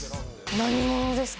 何者ですか。